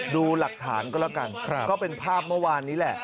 ดูหลักฐานก็แล้วกันก็เป็นภาพเมื่อวานนี้แหละ